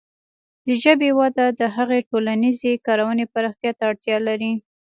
د ژبې وده د هغې د ټولنیزې کارونې پراختیا ته اړتیا لري.